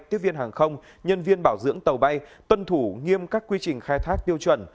tiếp viên hàng không nhân viên bảo dưỡng tàu bay tuân thủ nghiêm các quy trình khai thác tiêu chuẩn